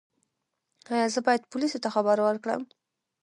ایا زه باید پولیسو ته خبر ورکړم؟